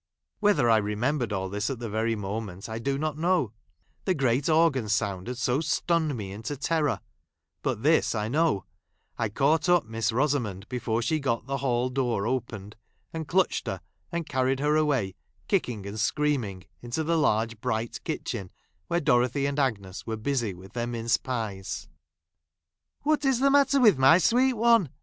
Whether I remembered all this at the very moment, I do not know ; the great organ sound had so stunned me into i terror ; but this I know, I caught up Miss Eosamond before she got the hall door opened, j and clutched her, and carried her away, kick¬ ing and screaming, into the large bright kitchen, where Dorothy and Agnes wei'e busy with their mince pies. " What is the matter with my sweet one